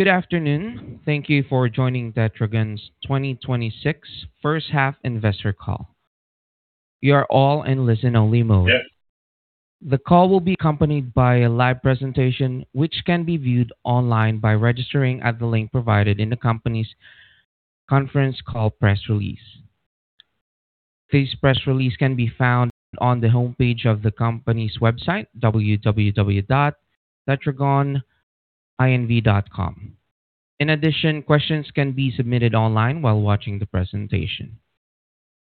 Good afternoon. Thank you for joining Tetragon's 2026 first half investor call. You are all in listen-only mode. The call will be accompanied by a live presentation, which can be viewed online by registering at the link provided in the company's conference call press release. This press release can be found on the homepage of the company's website, www.tetragoninv.com. In addition, questions can be submitted online while watching the presentation.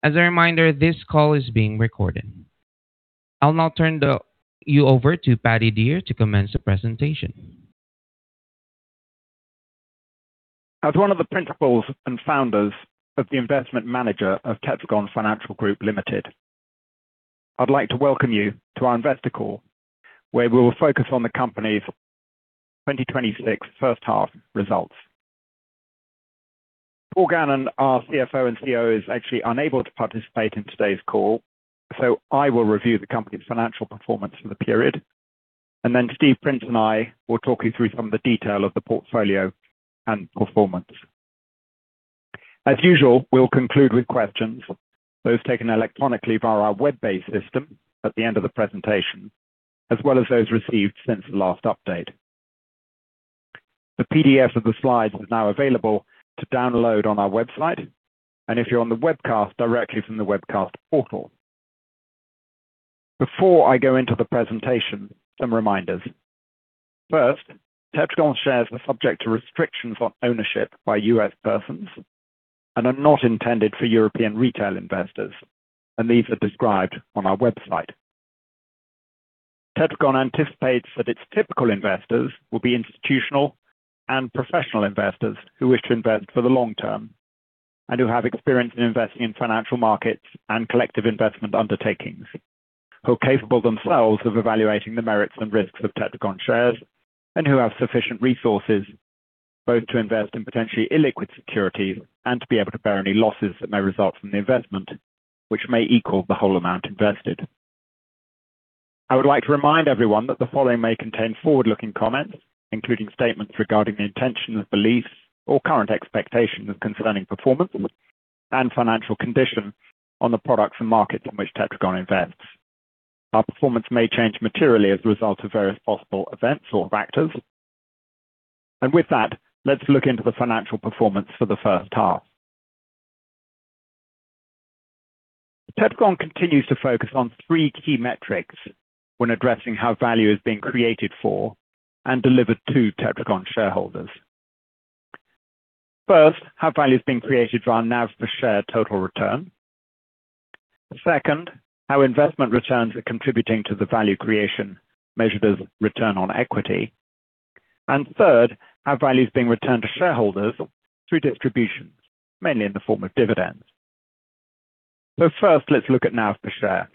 As a reminder, this call is being recorded. I'll now turn you over to Paddy Dear to commence the presentation. As one of the principals and founders of the investment manager of Tetragon Financial Group Limited, I'd like to welcome you to our investor call, where we will focus on the company's 2026 first half results. Paul Gannon, our CFO and COO, is actually unable to participate in today's call. I will review the company's financial performance for the period. Steve Prince and I will talk you through some of the detail of the portfolio and performance. As usual, we'll conclude with questions, those taken electronically via our web-based system at the end of the presentation, as well as those received since the last update. The PDF of the slides is now available to download on our website, and if you're on the webcast, directly from the webcast portal. Before I go into the presentation, some reminders. First, Tetragon shares are subject to restrictions on ownership by U.S. persons and are not intended for European retail investors. These are described on our website. Tetragon anticipates that its typical investors will be institutional and professional investors who wish to invest for the long term and who have experience in investing in financial markets and collective investment undertakings, who are capable themselves of evaluating the merits and risks of Tetragon shares, and who have sufficient resources, both to invest in potentially illiquid securities and to be able to bear any losses that may result from the investment, which may equal the whole amount invested. I would like to remind everyone that the following may contain forward-looking comments, including statements regarding the intentions, beliefs, or current expectations concerning performance and financial condition on the products and markets in which Tetragon invests. Our performance may change materially as a result of various [inaudible] events or factors. With that, let's look into the financial performance for the first half. Tetragon continues to focus on three key metrics when addressing how value is being created for and delivered to Tetragon shareholders. First, how value is being created from NAV per share total return. Second, how investment returns are contributing to the value creation measured as return on equity. Third, how value is being returned to shareholders through distributions, mainly in the form of dividends. First, let's look at NAV per share.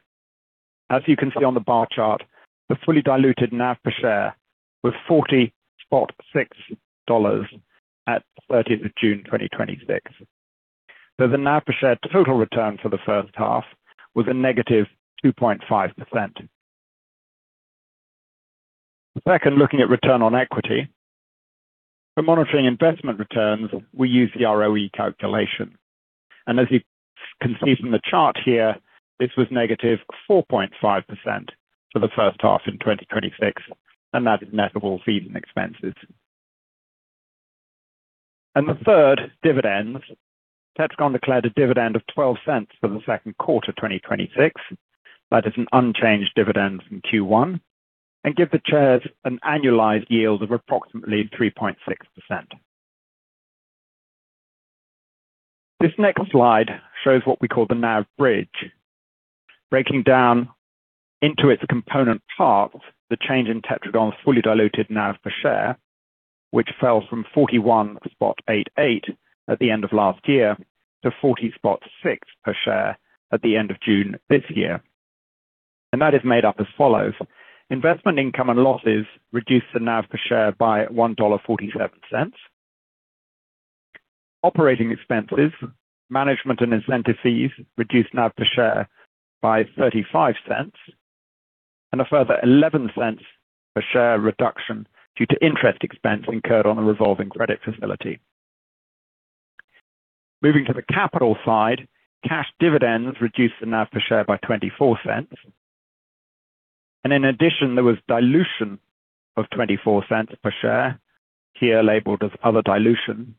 As you can see on the bar chart, the fully diluted NAV per share was $40.60 at 30th of June 2026. The NAV per share total return for the first half was a -2.5%. Second, looking at return on equity. For monitoring investment returns, we use the ROE calculation. As you can see from the chart here, this was -4.5% for the first half in 2026, and that is net of all fees and expenses. Third, dividends. Tetragon declared a dividend of $0.12 for the second quarter 2026. That is an unchanged dividend from Q1 and gives the shares an annualized yield of approximately 3.6%. This next slide shows what we call the NAV bridge, breaking down into its component parts, the change in Tetragon's fully diluted NAV per share, which fell from $41.88 at the end of last year to $40.60 per share at the end of June this year. That is made up as follows: investment income and losses reduced the NAV per share by $1.47. Operating expenses, management and incentive fees reduced NAV per share by $0.35, and a further $0.11 per share reduction due to interest expense incurred on the revolving credit facility. Moving to the capital side, cash dividends reduced the NAV per share by $0.24. In addition, there was dilution of $0.24 per share, here labeled as other dilution,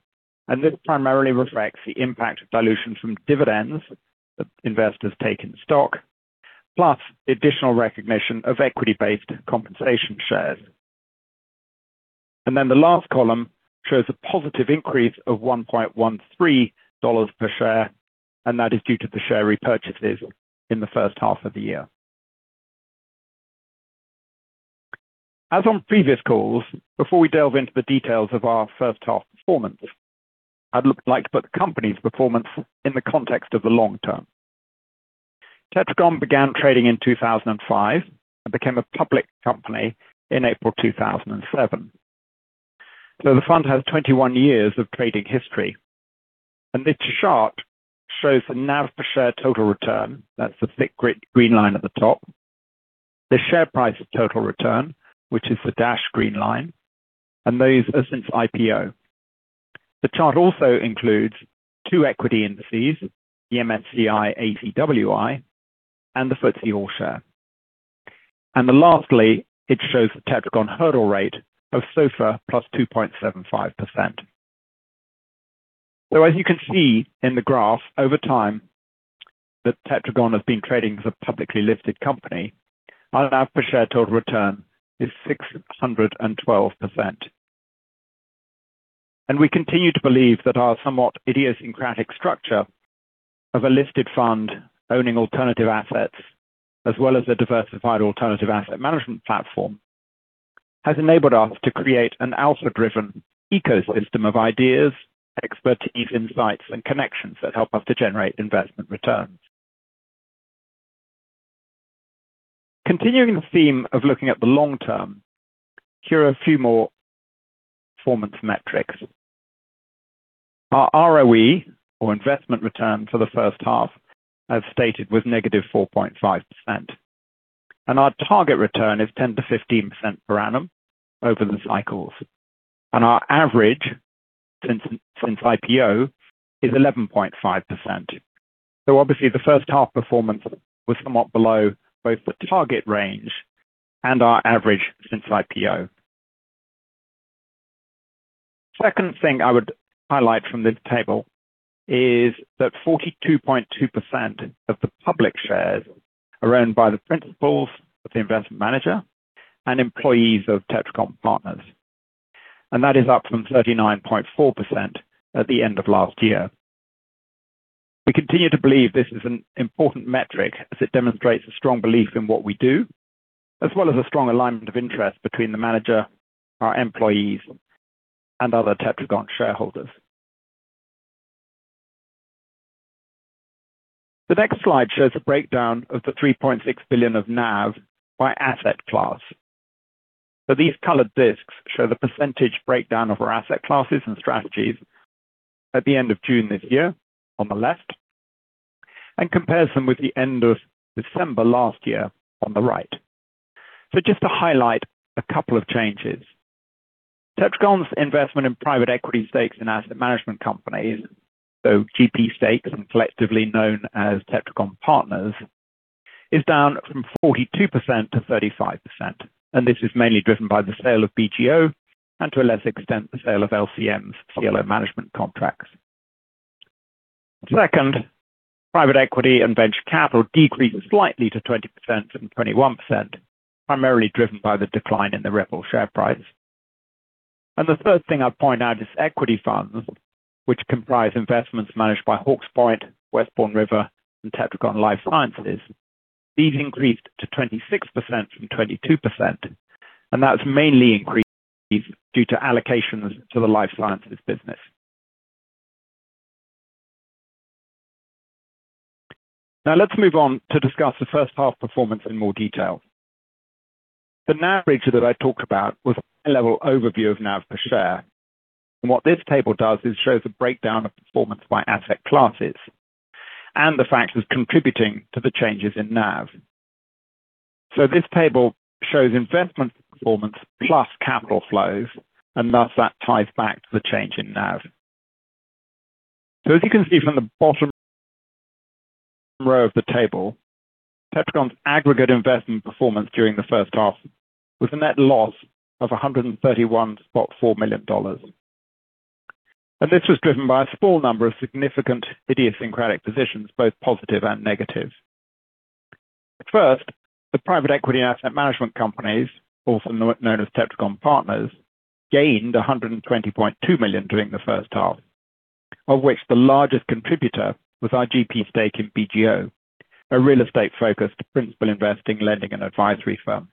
and this primarily reflects the impact of dilution from dividends that investors take in stock, plus the additional recognition of equity-based compensation shares. The last column shows a positive increase of $1.13 per share, and that is due to the share repurchases in the first half of the year. As on previous calls, before we delve into the details of our first half performance, I'd like to put the company's performance in the context of the long term. Tetragon began trading in 2005 and became a public company in April 2007. The fund has 21 years of trading history. This chart shows the NAV per share total return, that's the thick green line at the top. The share price of total return, which is the dashed green line, and those are since IPO. The chart also includes two equity indices, the MSCI ACWI and the FTSE All-Share. Lastly, it shows the Tetragon hurdle rate of SOFR plus 2.75%. As you can see in the graph, over time, that Tetragon has been trading as a publicly listed company, our NAV per share total return is 612%. We continue to believe that our somewhat idiosyncratic structure of a listed fund owning alternative assets, as well as a diversified alternative asset management platform, has enabled us to create an alpha-driven ecosystem of ideas, expertise, insights, and connections that help us to generate investment returns. Continuing the theme of looking at the long term, here are a few more performance metrics. Our ROE, or investment return for the first half, as stated, was -4.5%. Our target return is 10%-15% per annum over the cycles. Our average since IPO is 11.5%. Obviously, the first half performance was somewhat below both the target range and our average since IPO. Second thing I would highlight from this table is that 42.2% of the public shares are owned by the principals of the investment manager and employees of Tetragon Partners, that is up from 39.4% at the end of last year. We continue to believe this is an important metric, as it demonstrates a strong belief in what we do, as well as a strong alignment of interest between the manager, our employees, and other Tetragon shareholders. The next slide shows a breakdown of the $3.6 billion of NAV by asset class. These colored discs show the percentage breakdown of our asset classes and strategies at the end of June this year on the left, and compares them with the end of December last year on the right. Just to highlight a couple of changes. Tetragon's investment in private equity stakes in asset management companies, GP stakes and collectively known as Tetragon Partners, is down from 42% to 35%. This is mainly driven by the sale of BGO, and to a lesser extent, the sale of LCM's CLO management contracts. Second, private equity and venture capital decreased slightly to 20% from 21%, primarily driven by the decline in the Ripple share price. The third thing I'd point out is equity funds, which comprise investments managed by Hawke's Point, Westbourne River, and Tetragon Life Sciences. These increased to 26% from 22%, That's mainly increased due to allocations to the life sciences business. Now let's move on to discuss the first half performance in more detail. The NAV bridge that I talked about was a high-level overview of NAV per share. What this table does is shows a breakdown of performance by asset classes and the factors contributing to the changes in NAV. This table shows investment performance plus capital flows, thus that ties back to the change in NAV. As you can see from the bottom row of the table, Tetragon's aggregate investment performance during the first half was a net loss of $131.4 million. This was driven by a small number of significant idiosyncratic positions, both positive and negative. First, the private equity asset management companies, also known as Tetragon Partners, gained $120.2 million during the first half, of which the largest contributor was our GP stake in BGO, a real estate-focused principal investing, lending, and advisory firm.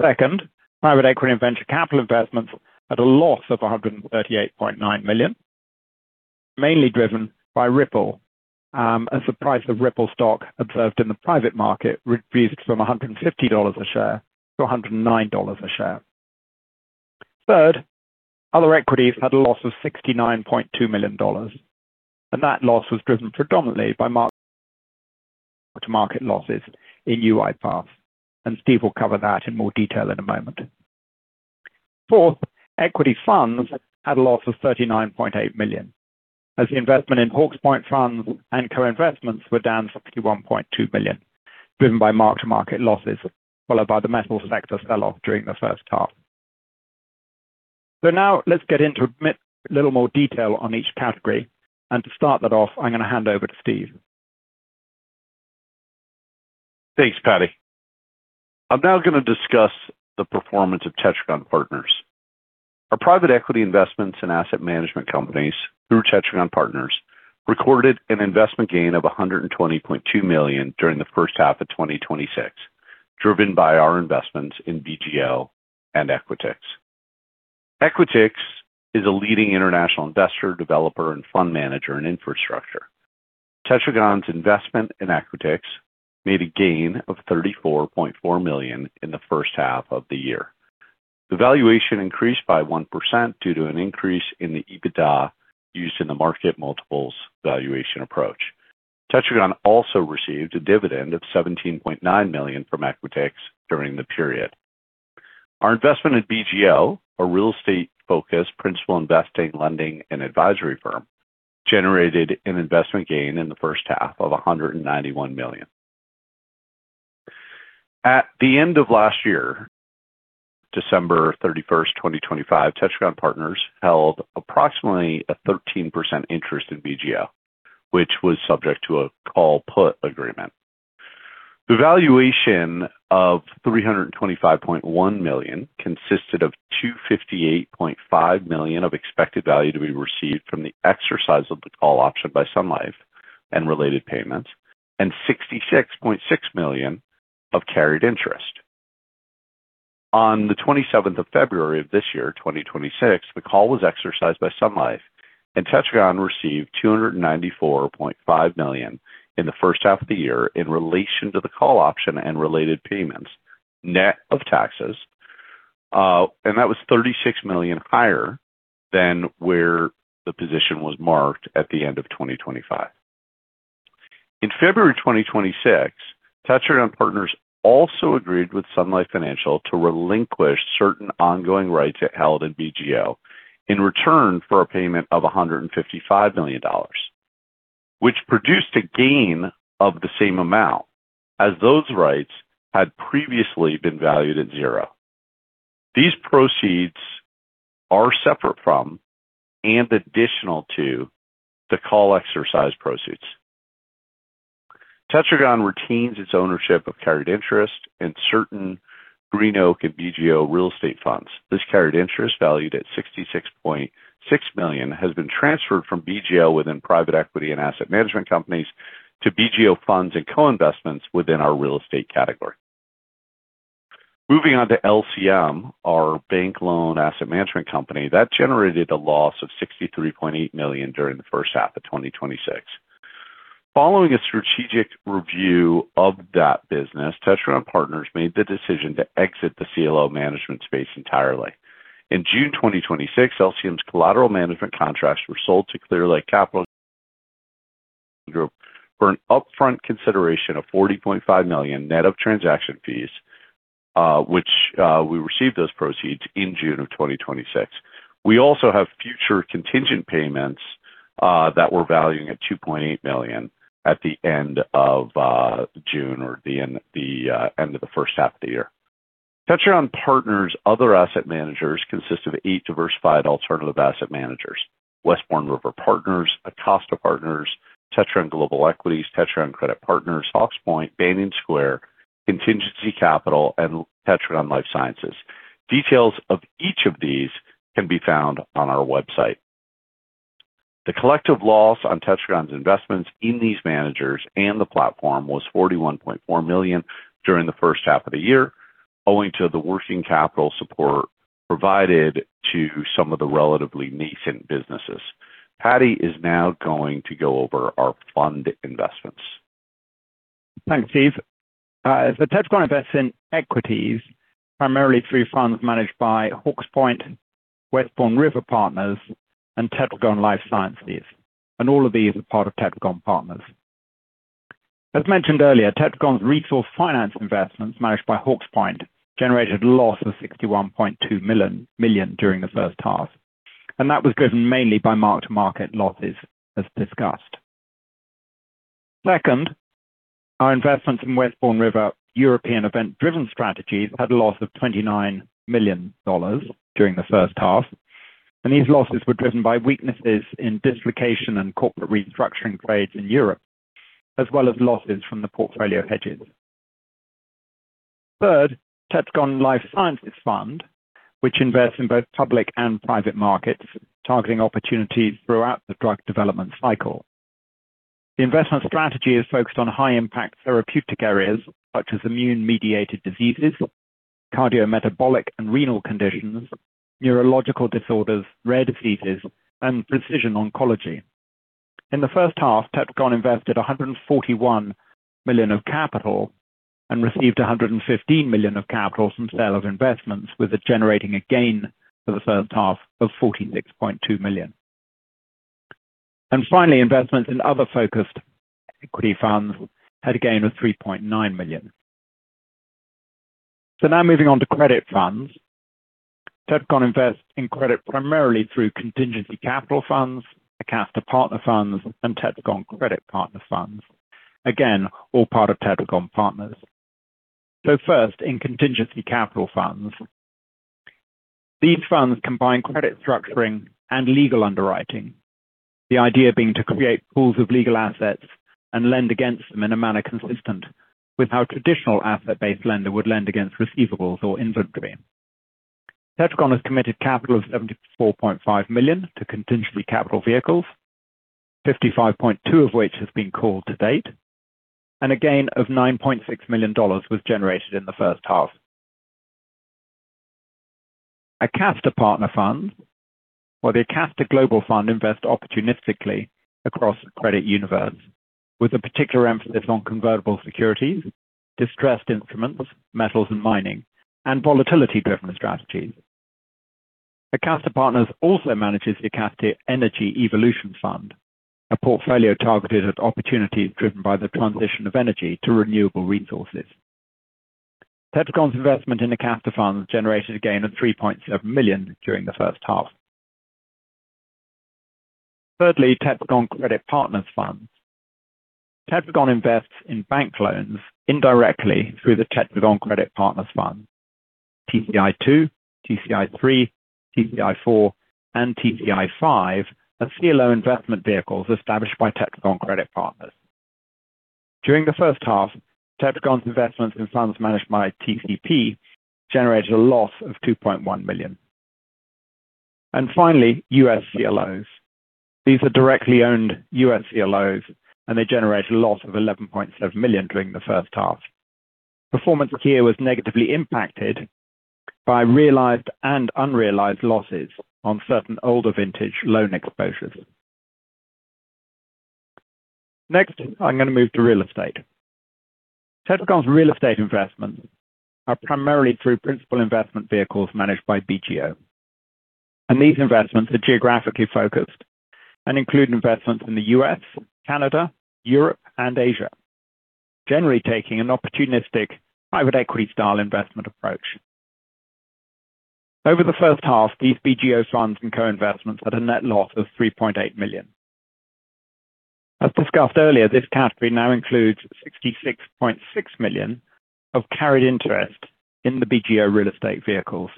Second, private equity and venture capital investments had a loss of $138.9 million, mainly driven by Ripple, as the price of Ripple stock observed in the private market reduced from $150 a share to $109 a share. Third, other equities had a loss of $69.2 million. That loss was driven predominantly by mark-to-market losses in UiPath. Steve will cover that in more detail in a moment. Fourth, equity funds had a loss of $39.8 million, as the investment in Hawke's Point funds and co-investments were down $61.2 million, driven by mark-to-market losses, followed by the metals sector sell-off during the first half. Now let's get into a little more detail on each category. To start that off, I'm going to hand over to Steve. Thanks, Paddy. I'm now going to discuss the performance of Tetragon Partners. Our private equity investments and asset management companies through Tetragon Partners recorded an investment gain of $120.2 million during the first half of 2026, driven by our investments in BGO and Equitix. Equitix is a leading international investor, developer, and fund manager in infrastructure. Tetragon's investment in Equitix made a gain of $34.4 million in the first half of the year. The valuation increased by 1% due to an increase in the EBITDA used in the market multiples valuation approach. Tetragon also received a dividend of $17.9 million from Equitix during the period. Our investment in BGO, a real estate-focused principal investing, lending, and advisory firm, generated an investment gain in the first half of $191 million. At the end of last year, December 31st, 2025, Tetragon Partners held approximately a 13% interest in BGO, which was subject to a call/put agreement. The valuation of $325.1 million consisted of $258.5 million of expected value to be received from the exercise of the call option by Sun Life and related payments, and $66.6 million of carried interest. On the 27th of February of this year, 2026, the call was exercised by Sun Life. Tetragon received $294.5 million in the first half of the year in relation to the call option and related payments, net of taxes. That was $36 million higher than where the position was marked at the end of 2025. In February 2026, Tetragon Partners also agreed with Sun Life Financial to relinquish certain ongoing rights it held in BGO in return for a payment of $155 million, which produced a gain of the same amount as those rights had previously been valued at zero. These proceeds are separate from and additional to the call exercise proceeds. Tetragon retains its ownership of carried interest in certain GreenOak and BGO real estate funds. This carried interest, valued at $66.6 million, has been transferred from BGO within private equity and asset management companies to BGO funds and co-investments within our real estate category. Moving on to LCM, our bank loan asset management company, that generated a loss of $63.8 million during the first half of 2026. Following a strategic review of that business, Tetragon Partners made the decision to exit the CLO management space entirely. In June 2026, LCM's collateral management contracts were sold to Clearlake Capital Group for an upfront consideration of $40.5 million net of transaction fees, which we received those proceeds in June of 2026. We also have future contingent payments that we're valuing at $2.8 million at the end of June or the end of the first half of the year. Tetragon Partners' other asset managers consist of eight diversified alternative asset managers: Westbourne River Partners, Acasta Partners, Tetragon Global Equities, Tetragon Credit Partners, Hawke's Point, Banyan Square, Contingency Capital and Tetragon Life Sciences. Details of each of these can be found on our website. The collective loss on Tetragon's investments in these managers and the platform was $41.4 million during the first half of the year, owing to the working capital support provided to some of the relatively nascent businesses. Paddy is now going to go over our fund investments. Thanks, Steve. Tetragon invests in equities primarily through funds managed by Hawke's Point, Westbourne River Partners and Tetragon Life Sciences, and all of these are part of Tetragon Partners. As mentioned earlier, Tetragon's resource finance investments, managed by Hawke's Point, generated a loss of $61.2 million during the first half, and that was driven mainly by mark-to-market losses as discussed. Second, our investment in Westbourne River European event-driven strategies had a loss of $29 million during the first half, and these losses were driven by weaknesses in dislocation and corporate restructuring trades in Europe, as well as losses from the portfolio hedges. Third, Tetragon Life Sciences Fund, which invests in both public and private markets, targeting opportunities throughout the drug development cycle. The investment strategy is focused on high-impact therapeutic areas such as immune-mediated diseases, cardiometabolic and renal conditions, neurological disorders, rare diseases, and precision oncology. In the first half, Tetragon invested $141 million of capital and received $115 million of capital from sale of investments, with it generating a gain for the first half of $46.2 million. Finally, investments in other focused equity funds had a gain of $3.9 million. Now moving on to credit funds. Tetragon invests in credit primarily through Contingency Capital funds, Acasta Partners funds, and Tetragon Credit Partner funds. Again, all part of Tetragon Partners. First, in Contingency Capital funds. These funds combine credit structuring and legal underwriting. The idea being to create pools of legal assets and lend against them in a manner consistent with how traditional asset-based lender would lend against receivables or inventory. Tetragon has committed capital of $74.5 million to Contingency Capital vehicles, $55.2 million of which has been called to date, and a gain of $9.6 million was generated in the first half. Acasta Partners funds. Well, the Acasta Global Fund invests opportunistically across the credit universe, with a particular emphasis on convertible securities, distressed instruments, metals and mining, and volatility-driven strategies. Acasta Partners also manages the Acasta Energy Evolution Fund, a portfolio targeted at opportunities driven by the transition of energy to renewable resources. Tetragon's investment in Acasta Funds generated a gain of $3.7 million during the first half. Thirdly, Tetragon Credit Partners funds. Tetragon invests in bank loans indirectly through the Tetragon Credit Partners Fund. TCI II, TCI III, TCI IV, and TCI V are CLO investment vehicles established by Tetragon Credit Partners. During the first half, Tetragon's investments in funds managed by TCP generated a loss of $2.1 million. Finally, U.S. CLOs. These are directly owned U.S. CLOs, and they generated a loss of $11.7 million during the first half. Performance here was negatively impacted by realized and unrealized losses on certain older vintage loan exposures. I'm going to move to real estate. Tetragon's real estate investments are primarily through principal investment vehicles managed by BGO. These investments are geographically focused and include investments in the U.S., Canada, Europe, and Asia, generally taking an opportunistic private equity style investment approach. Over the first half, these BGO funds and co-investments had a net loss of $3.8 million. As discussed earlier, this category now includes $66.6 million of carried interest in the BGO real estate vehicles,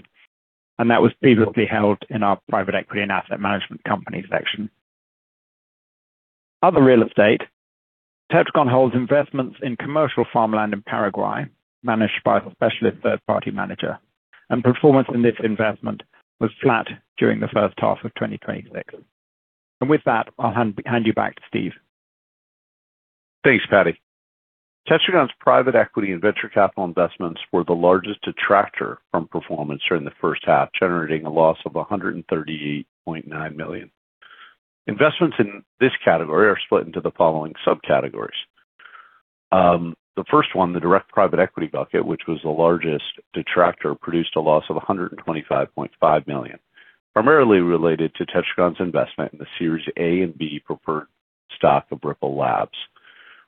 and that was previously held in our private equity and asset management company section. Other real estate. Tetragon holds investments in commercial farmland in Paraguay, managed by a specialist third-party manager, and performance in this investment was flat during the first half of 2026. With that, I'll hand you back to Steve. Thanks, Paddy. Tetragon's private equity and venture capital investments were the largest detractor from performance during the first half, generating a loss of $138.9 million. Investments in this category are split into the following subcategories. The first one, the direct private equity bucket, which was the largest detractor, produced a loss of $125.5 million, primarily related to Tetragon's investment in the Series A and B preferred stock of Ripple Labs,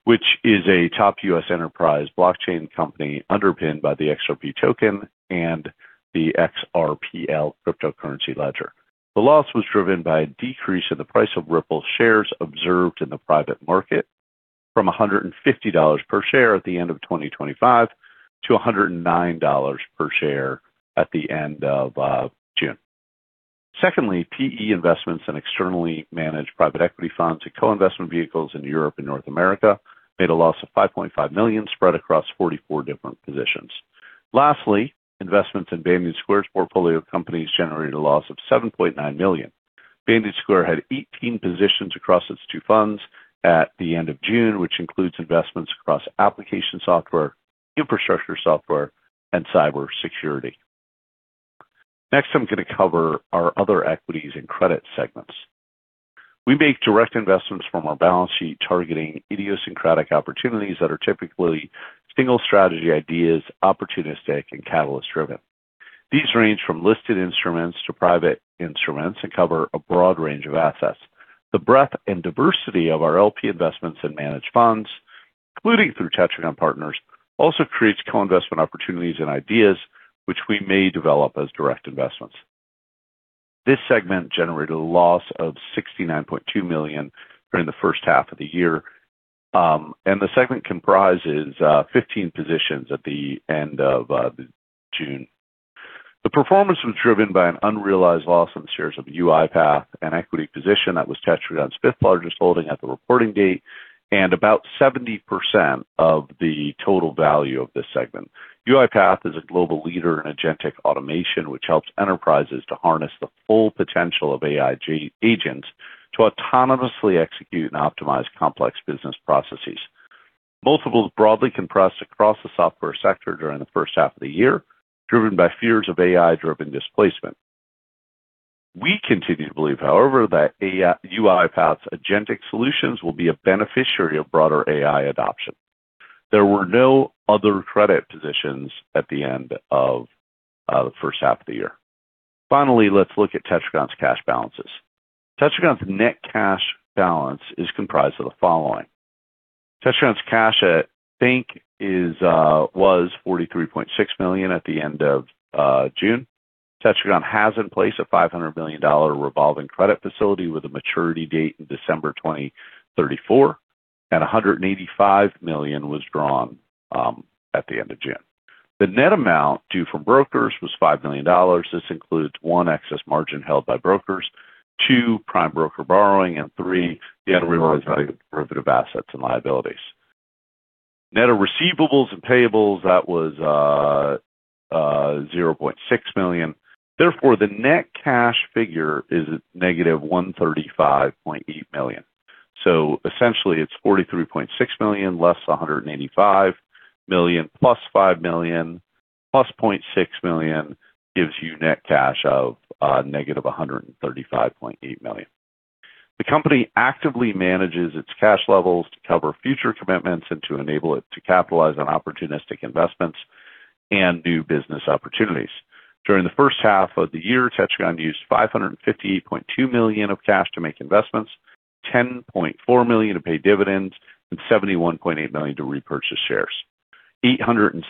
which is a top U.S. enterprise blockchain company underpinned by the XRP token and the XRPL cryptocurrency ledger. The loss was driven by a decrease in the price of Ripple shares observed in the private market from $150 per share at the end of 2025 to $109 per share at the end of June. Secondly, PE investments in externally managed private equity funds and co-investment vehicles in Europe and North America made a loss of $5.5 million spread across 44 different positions. Lastly, investments in Banyan Square's portfolio companies generated a loss of $7.9 million. Banyan Square had 18 positions across its two funds at the end of June, which includes investments across application software, infrastructure software, and cybersecurity. I'm going to cover our other equities and credit segments. We make direct investments from our balance sheet targeting idiosyncratic opportunities that are typically single strategy ideas, opportunistic, and catalyst-driven. These range from listed instruments to private instruments and cover a broad range of assets. The breadth and diversity of our LP investments in managed funds, including through Tetragon Partners, also creates co-investment opportunities and ideas which we may develop as direct investments. This segment generated a loss of $69.2 million during the first half of the year. The segment comprises 15 positions at the end of June. The performance was driven by an unrealized loss on shares of UiPath, an equity position that was Tetragon's fifth largest holding at the reporting date, about 70% of the total value of this segment. UiPath is a global leader in agentic automation, which helps enterprises to harness the full potential of AI agents to autonomously execute and optimize complex business processes. Multiples broadly compressed across the software sector during the first half of the year, driven by fears of AI-driven displacement. We continue to believe, however, that UiPath's agentic solutions will be a beneficiary of broader AI adoption. There were no other credit positions at the end of the first half of the year. Finally, let's look at Tetragon's cash balances. Tetragon's net cash balance is comprised of the following. Tetragon's cash at bank was $43.6 million at the end of June. Tetragon has in place a $500 million revolving credit facility with a maturity date in December 2034. $185 million was drawn at the end of June. The net amount due from brokers was $5 million. This includes, one, excess margin held by brokers, two, prime broker borrowing, and three, the unrealized derivative assets and liabilities. Net of receivables and payables, that was $0.6 million. Therefore, the net cash figure is -$135.8 million. Essentially it's $43.6 million less $185 million plus $5 million plus $0.6 million gives you net cash of -$135.8 million. The company actively manages its cash levels to cover future commitments and to enable it to capitalize on opportunistic investments and new business opportunities. During the first half of the year, Tetragon used $558.2 million of cash to make investments, $10.4 million to pay dividends, $71.8 million to repurchase shares. $863.7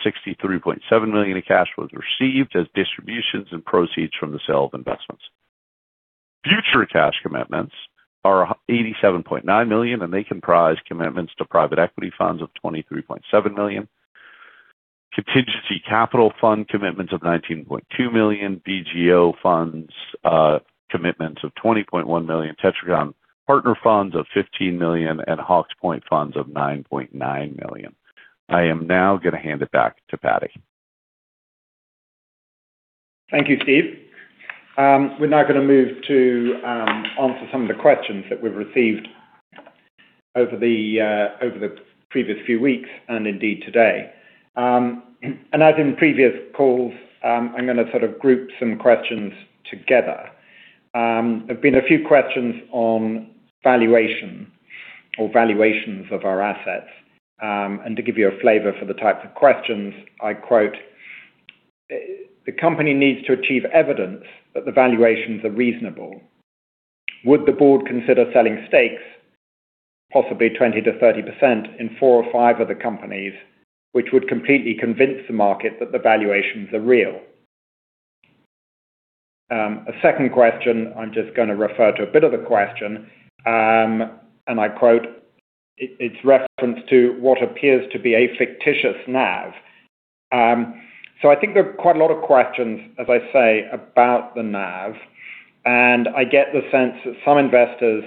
million of cash was received as distributions and proceeds from the sale of investments. Future cash commitments are $87.9 million. They comprise commitments to private equity funds of $23.7 million, Contingency Capital fund commitments of $19.2 million, BGO funds commitments of $20.1 million, Tetragon Partners funds of $15 million, and Hawke's Point funds of $9.9 million. I am now going to hand it back to Paddy. Thank you, Steve. We're now going to move to answer some of the questions that we've received over the previous few weeks and indeed today. As in previous calls, I'm going to sort of group some questions together. There have been a few questions on valuation or valuations of our assets. To give you a flavor for the types of questions, I quote, "The company needs to achieve evidence that the valuations are reasonable. Would the Board consider selling stakes, possibly 20%-30%, in four or five other companies, which would completely convince the market that the valuations are real?" A second question, I'm just going to refer to a bit of the question, and I quote, it's reference to, "What appears to be a fictitious NAV." I think there are quite a lot of questions, as I say, about the NAV, and I get the sense that some investors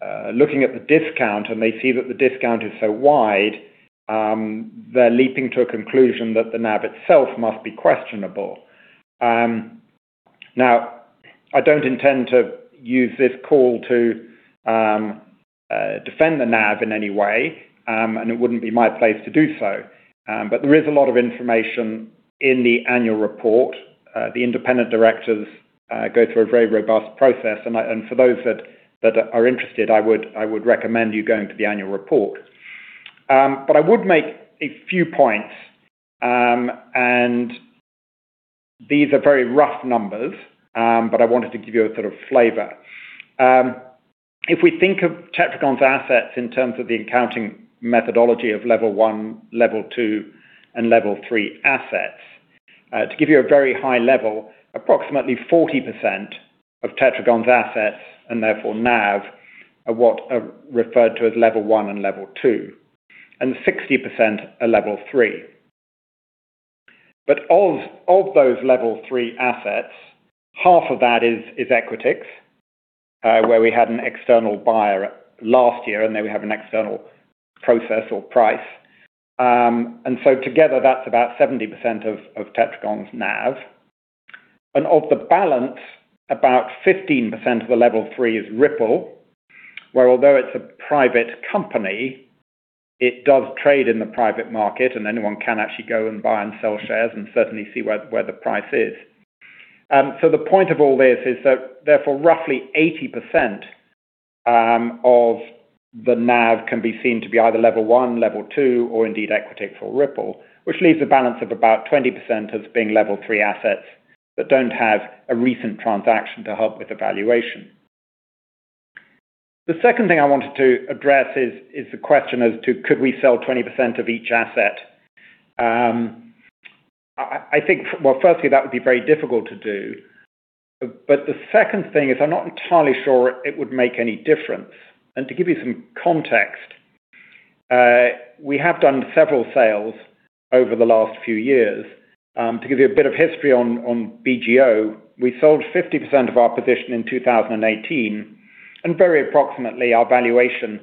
are looking at the discount and they see that the discount is so wide, they're leaping to a conclusion that the NAV itself must be questionable. I don't intend to use this call to defend the NAV in any way, and it wouldn't be my place to do so. There is a lot of information in the annual report. The independent directors go through a very robust process, and for those that are interested, I would recommend you going to the annual report. I would make a few points, and these are very rough numbers, but I wanted to give you a sort of flavor. If we think of Tetragon's assets in terms of the accounting methodology of Level 1, Level 2, and Level 3 assets. To give you a very high level, approximately 40% of Tetragon's assets, and therefore NAV, are what are referred to as Level 1 and Level 2, and 60% are Level 3. Of those Level 3 assets, half of that is Equitix, where we had an external buyer last year, and then we have an external process or price. Together, that's about 70% of Tetragon's NAV. Of the balance, about 15% of the Level 3 is Ripple, where although it's a private company, it does trade in the private market and anyone can actually go and buy and sell shares and certainly see where the price is. The point of all this is that therefore roughly 80% of the NAV can be seen to be either Level 1, Level 2, or indeed Equitix or Ripple. Which leaves a balance of about 20% as being Level 3 assets that don't have a recent transaction to help with the valuation. The second thing I wanted to address is the question as to could we sell 20% of each asset? I think, well, firstly, that would be very difficult to do. The second thing is I'm not entirely sure it would make any difference. To give you some context, we have done several sales over the last few years. To give you a bit of history on BGO, we sold 50% of our position in 2018, and very approximately our valuation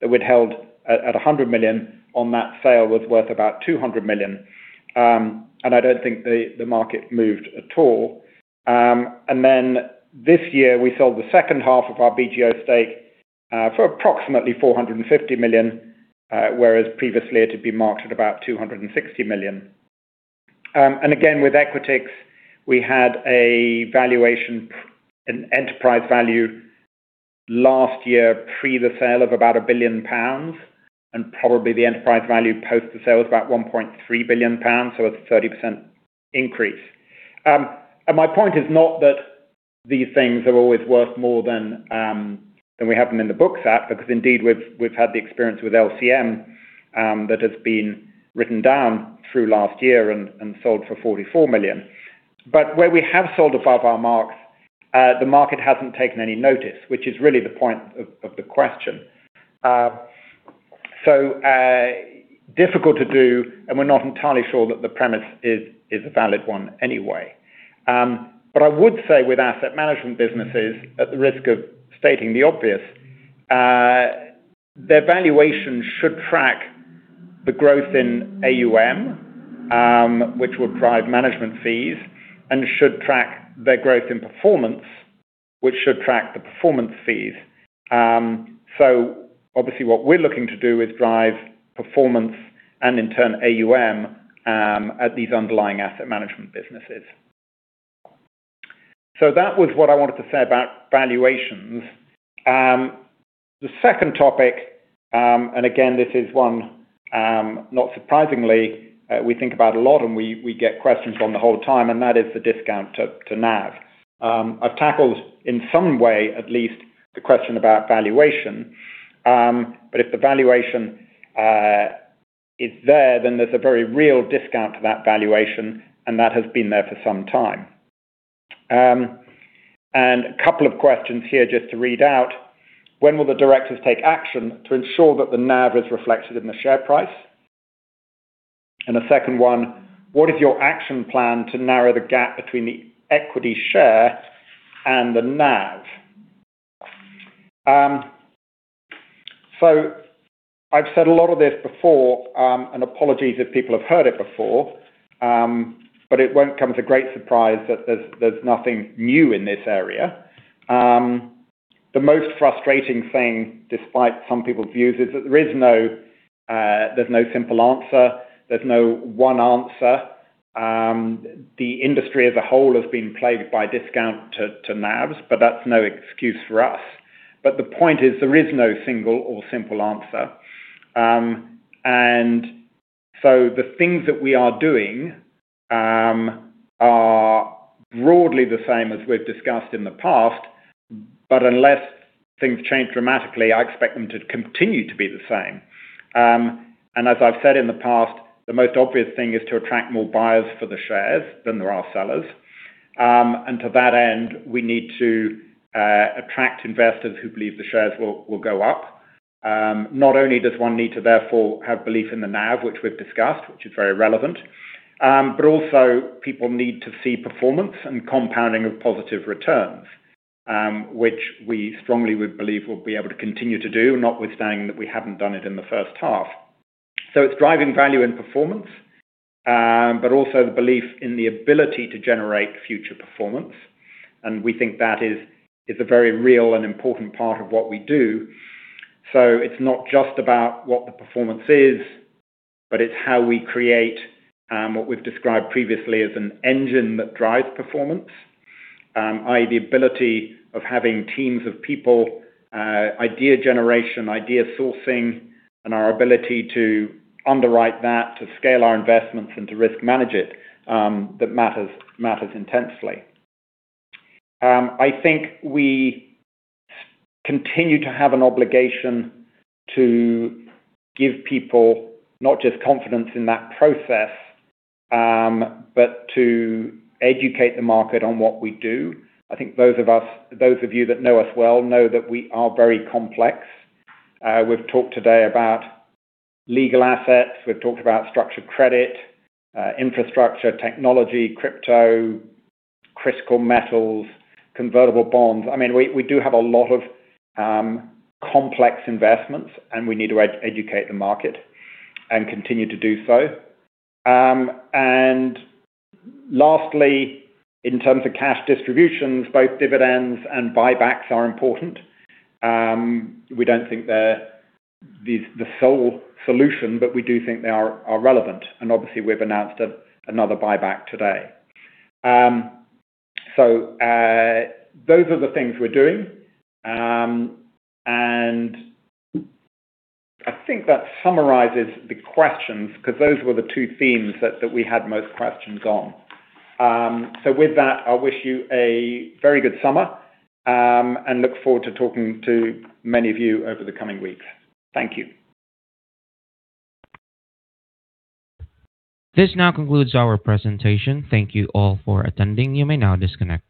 that we'd held at $100 million on that sale was worth about $200 million, and I don't think the market moved at all. This year we sold the second half of our BGO stake for approximately $450 million, whereas previously it had been marked at about $260 million. Again, with Equitix, we had a valuation, an enterprise value last year pre the sale of about 1 billion pounds, and probably the enterprise value post the sale was about 1.3 billion pounds, so a 30% increase. My point is not that these things are always worth more than we have them in the books at because indeed we've had the experience with LCM that has been written down through last year and sold for [$44 million]. Where we have sold above our marks, the market hasn't taken any notice, which is really the point of the question. Difficult to do, and we're not entirely sure that the premise is a valid one anyway. I would say with asset management businesses, at the risk of stating the obvious, their valuation should track the growth in AUM, which will drive management fees and should track their growth in performance, which should track the performance fees. Obviously what we're looking to do is drive performance and in turn, AUM, at these underlying asset management businesses. That was what I wanted to say about valuations. The second topic, and again, this is one, not surprisingly, we think about a lot and we get questions on the whole time, and that is the discount to NAV. I've tackled, in some way at least, the question about valuation. If the valuation is there, then there's a very real discount to that valuation, and that has been there for some time. A couple of questions here just to read out. When will the directors take action to ensure that the NAV is reflected in the share price? The second one, what is your action plan to narrow the gap between the equity share and the NAV? I've said a lot of this before, and apologies if people have heard it before, but it won't come as a great surprise that there's nothing new in this area. The most frustrating thing, despite some people's views, is that there's no simple answer. There's no one answer. The industry as a whole has been plagued by discount to NAVs, but that's no excuse for us. The point is, there is no single or simple answer. The things that we are doing are broadly the same as we've discussed in the past, but unless things change dramatically, I expect them to continue to be the same. As I've said in the past, the most obvious thing is to attract more buyers for the shares than there are sellers. To that end, we need to attract investors who believe the shares will go up. Not only does one need to therefore have belief in the NAV, which we've discussed, which is very relevant, but also people need to see performance and compounding of positive returns, which we strongly would believe we'll be able to continue to do, notwithstanding that we haven't done it in the first half. It's driving value and performance, but also the belief in the ability to generate future performance. We think that is a very real and important part of what we do. It's not just about what the performance is, but it's how we create what we've described previously as an engine that drives performance, i.e. the ability of having teams of people, idea generation, idea sourcing, and our ability to underwrite that, to scale our investments and to risk manage it, that matters intensely. I think we continue to have an obligation to give people not just confidence in that process, but to educate the market on what we do. I think those of you that know us well know that we are very complex. We've talked today about legal assets, we've talked about structured credit, infrastructure, technology, crypto, critical metals, convertible bonds. We do have a lot of complex investments, and we need to educate the market and continue to do so. Lastly, in terms of cash distributions, both dividends and buybacks are important. We don't think they're the sole solution, but we do think they are relevant, and obviously, we've announced another buyback today. Those are the things we're doing. I think that summarizes the questions, because those were the two themes that we had most questions on. With that, I'll wish you a very good summer, and look forward to talking to many of you over the coming weeks. Thank you. This now concludes our presentation. Thank you all for attending. You may now disconnect.